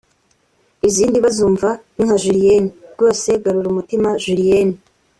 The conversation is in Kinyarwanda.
Izindi bazumva ni nka Julienne( rwose garura umutima Julienne